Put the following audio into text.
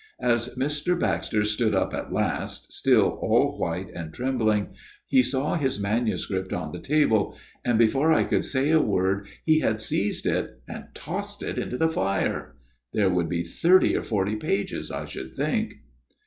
As Mr. Baxter stood up at last, still all white and trembling, he saw his manuscript on the table, and before I could say a word he had seized it and tossed it into the fire : there would be thirty or forty pages, I should think.